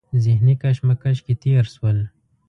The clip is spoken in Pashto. ذهني کشمکش کې تېر شول.